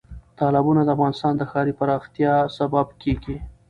تالابونه د افغانستان د ښاري پراختیا سبب کېږي.